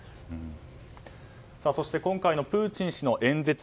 そして今回のプーチン氏の演説